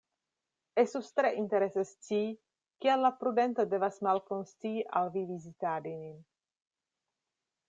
Estus tre interese scii, kial la prudento devas malkonsili al vi vizitadi nin?